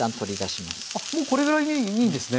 あっもうこれぐらいでいいんですね。